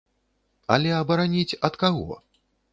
Але абараніць ад каго?